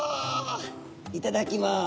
いただきます」。